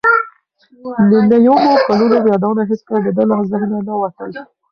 د نویمو کلونو یادونه هیڅکله د ده له ذهنه نه وتل.